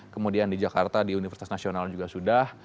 kemudian di jakarta di universitas nasional juga sudah